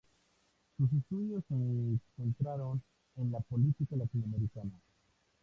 Sus estudios se centraron en la política latinoamericana.